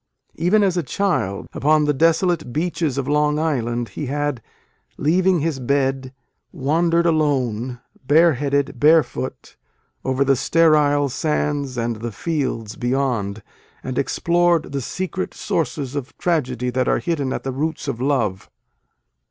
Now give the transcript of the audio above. Even as a child, upon the desolate beaches of Long Island, he had, " leaving his bed, wandered alone, bare headed, barefoot," over the sterile sands and the fields beyond, and explored the secret sources of tragedy that are hidden at the roots of love.